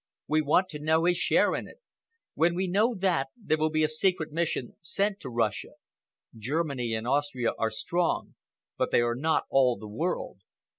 We want to know his share in it. When we know that, there will be a secret mission sent to Russia. Germany and Austria are strong, but they are not all the world.